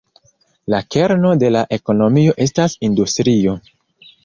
La kerno de la ekonomio estas industrio.